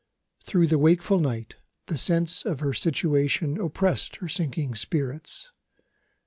Through the wakeful night the sense of her situation oppressed her sinking spirits.